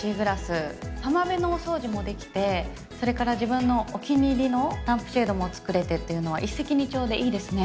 浜辺のお掃除もできてそれから自分のお気に入りのランプシェードも作れてっていうのは一石二鳥でいいですね。